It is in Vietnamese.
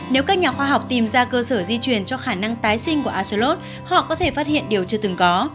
nếu các nhà khoa học tìm ra cơ sở di chuyển cho khả năng tái sinh của asollot họ có thể phát hiện điều chưa từng có